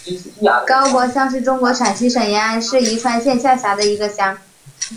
高柏乡是中国陕西省延安市宜川县下辖的一个乡。